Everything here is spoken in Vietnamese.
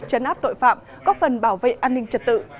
chấn áp tội phạm góp phần bảo vệ an ninh trật tự